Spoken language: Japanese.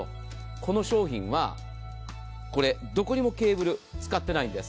この商品は、どこにもケーブル使ってないんです。